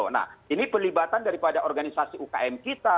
nah ini pelibatan daripada organisasi ukm kita